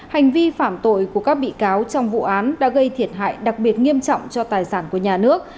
hành vi phạm tội của các bị cáo trong vụ án đã gây thiệt hại đặc biệt nghiêm trọng cho tài sản của nhà nước